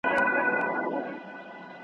تر هغې پېښي دمخه هوا ښه وه.